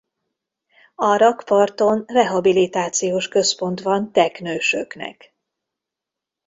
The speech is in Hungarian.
A rakparton rehabilitációs központ van teknősöknek.